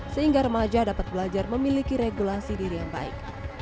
sehingga remaja dapat belajar memiliki regulasi diri yang baik